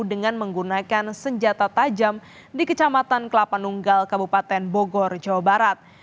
dengan menggunakan senjata tajam di kecamatan kelapa nunggal kabupaten bogor jawa barat